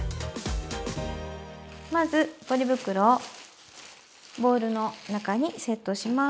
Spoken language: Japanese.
まずポリ袋をボウルの中にセットします。